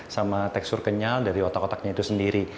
sama tekstur kenyal dari otak otaknya itu sendiri